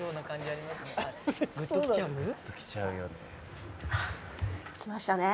あっきましたね。